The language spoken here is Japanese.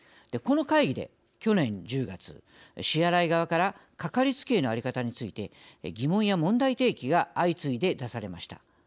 この会議で去年１０月支払い側からかかりつけ医の在り方について疑問や問題提起が相次いで出されました。